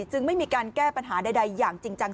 จึงไม่มีการแก้ปัญหาใดอย่างจริงจัง